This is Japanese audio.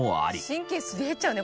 神経すり減っちゃうね